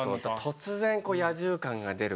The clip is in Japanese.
突然野獣感が出る